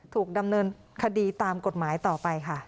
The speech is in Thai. ถูกดำเนินคดีตามกฎหมายต่อไปค่ะ